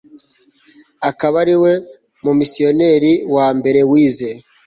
akaba ari we mumisiyonari wa mbere wize